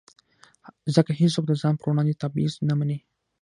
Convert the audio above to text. ځکه هېڅوک د ځان پر وړاندې تبعیض نه مني.